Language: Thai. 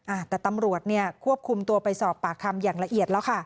อ่าแต่ตำรวจเนี่ยควบคุมตัวไปสอบปากคำอย่างละเอียดแล้วค่ะ